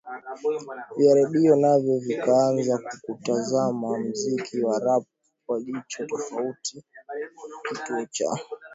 vya redio navyo vikaanza kuutazama muziki wa Rap kwa jicho tofauti Kituo cha